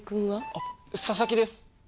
あ佐々木です。